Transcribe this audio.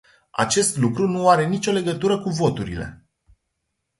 Acest lucru nu are nicio legătură cu voturile.